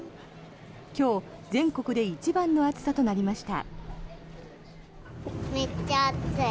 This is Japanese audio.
今日全国で一番の暑さとなりました。